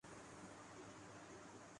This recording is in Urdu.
جو سائیکلوں پہ تھے۔